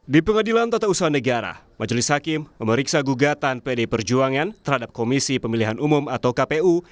di pengadilan tata usaha negara majelis hakim memeriksa gugatan pd perjuangan terhadap komisi pemilihan umum atau kpu